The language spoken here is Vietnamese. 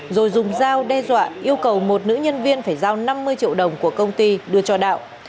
rồi dùng dao đe dọa yêu cầu một nữ nhân viên phải giao năm mươi triệu đồng của công ty đưa cho đạo